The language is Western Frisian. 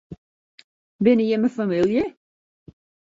Binne jimme famylje?